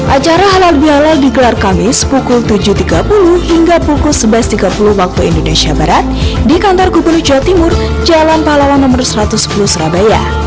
acara halal bihalal digelar kamis pukul tujuh tiga puluh hingga pukul sebelas tiga puluh waktu indonesia barat di kantor gubernur jawa timur jalan pahlawan no satu ratus sepuluh surabaya